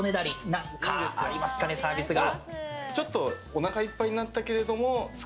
何かありますかね、サービスが。